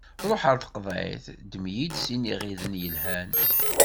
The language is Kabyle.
Ṛuḥ ɣer tqeḍɛit, ddem-iyi-d sin n iɣiden yelhan.